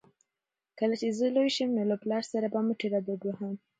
کله چې زه لوی شم نو له پلار سره به مټې رابډوهم.